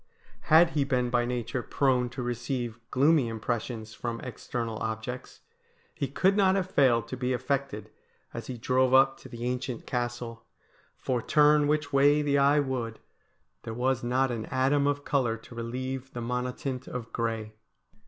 Had he been by nature prone to receive gloomy impres sions from external objects, he could not have failed to be affected as he drove up to the ancient Castle ; for, turn which 58 STORIES WEIRD AND WONDERFUL way the eye would, there was not an atom of colour to relieve the monotint of grey.